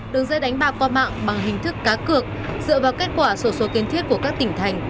đường dây đánh bạc qua mạng bằng hình thức cá cược dựa vào kết quả sổ số kiến thiết của các tỉnh thành